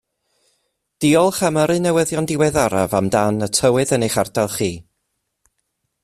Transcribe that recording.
Diolch am yrru newyddion diweddaraf amdan y tywydd yn eich ardal chi